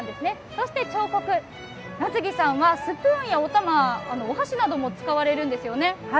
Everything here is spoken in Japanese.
そして、彫刻松木さんはスプーンやおたまお箸なども使われるんですよね。